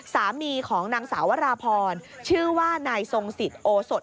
สามีของนางสาววราพรชื่อว่านายทรงสิทธิโอสด